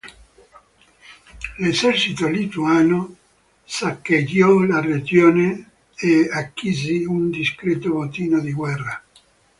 L'esercito lituano saccheggiò la regione e acquisì un discreto bottino di guerra.